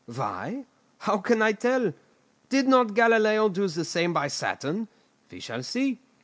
Why? How can I tell? Did not Galileo do the same by Saturn? We shall see.